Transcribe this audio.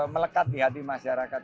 melekat di hati masyarakat